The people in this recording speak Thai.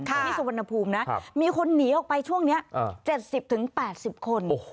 ที่สุวรรณภูมินะมีคนหนีออกไปช่วงนี้๗๐๘๐คน